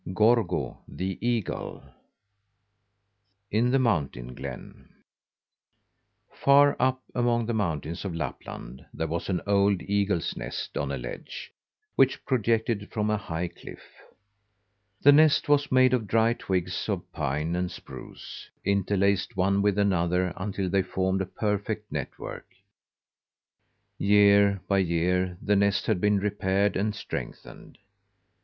GORGO, THE EAGLE IN THE MOUNTAIN GLEN Far up among the mountains of Lapland there was an old eagle's nest on a ledge which projected from a high cliff. The nest was made of dry twigs of pine and spruce, interlaced one with another until they formed a perfect network. Year by year the nest had been repaired and strengthened.